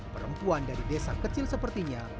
perempuan dari desa kecil sepertinya